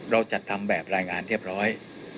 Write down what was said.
เราจัดทำแบบรายงานเรียบร้อย